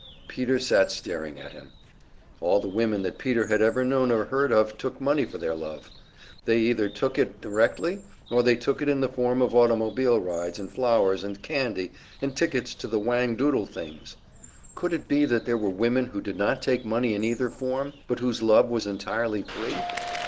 Peter sat staring at him. All the women that Peter had ever known or heard of took money for their love. They either took it directly, or they took it in the form of automobile rides and flowers and candy and tickets to the whang doodle things. Could it be that there were women who did not take money in either form, but whose love was entirely free?